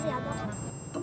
gak ada bang